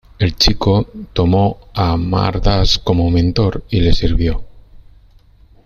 El chico tomó a Amar Das como mentor y le sirvió.